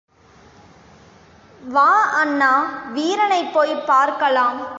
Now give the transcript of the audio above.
வா அண்ணா, வீரனைப் போய்ப் பார்க்கலாம்.